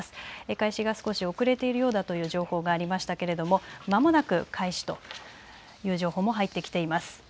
開始が少し遅れているようだという情報がありましたけれどもまもなく開始という情報も入ってきています。